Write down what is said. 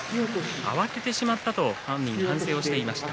慌ててしまったと本人は反省していました。